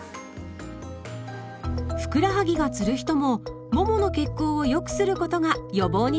ふくらはぎがつる人もももの血行を良くすることが予防につながります。